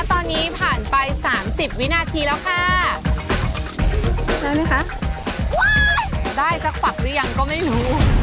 ตอนนี้ผ่านไปสามสิบวินาทีแล้วค่ะได้ไหมคะได้สักฝักหรือยังก็ไม่รู้